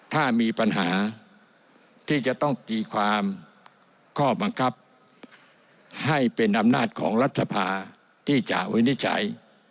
ถ้ามีปัญหาที่จะต้องตีความข้อบังคับให้เป็นอำนาจของรัฐสภาที่จะวินิจฉัย